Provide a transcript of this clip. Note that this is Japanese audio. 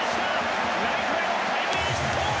ライトへのタイムリーヒット！